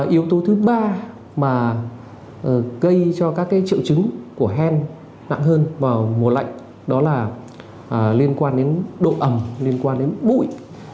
yếu tố thứ ba mà gây cho các triệu chứng của hen nặng hơn vào mùa lạnh đó là liên quan đến độ ẩm liên quan đến bụi